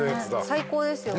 最高ですよ。